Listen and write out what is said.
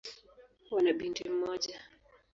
Wana binti mmoja.